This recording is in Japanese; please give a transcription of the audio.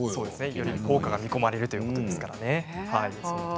効果が見込まれるということですからね。